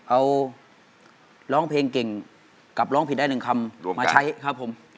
เอาร้องเพลงเก่งกับร้องผิดได้หนึ่งคำมาใช้ครับผม